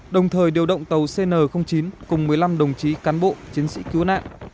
đồng thời điều động tàu cn chín cùng một mươi năm đồng chí cán bộ chiến sĩ cứu nạn